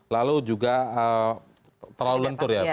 lalu juga terlalu lentur ya